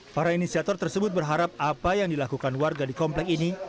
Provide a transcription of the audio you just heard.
para inisiator tersebut berharap apa yang dilakukan warga di komplek ini